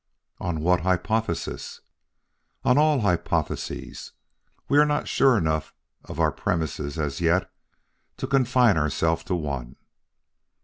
"On what hypothesis?" "On all hypotheses. We are not sure enough of our premises, as yet, to confine ourselves to one."